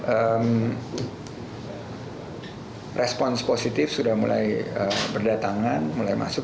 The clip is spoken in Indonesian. ehm respon positif sudah mulai berdatangan mulai masuk